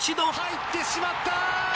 入ってしまった！